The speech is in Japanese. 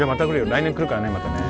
来年来るからねまたね。